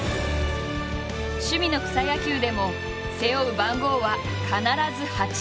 趣味の草野球でも背負う番号は必ず「８」。